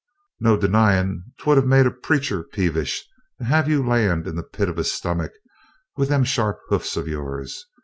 "No denyin' 'twould have made a preacher peevish to have you land in the pit of his stummick with them sharp hoofs of yourn.